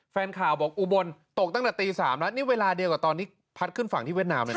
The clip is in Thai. แฟนข่าวบอกอุบลตกตั้งแต่ตี๓แล้วนี่เวลาเดียวกับตอนที่พัดขึ้นฝั่งที่เวียดนามเลยนะ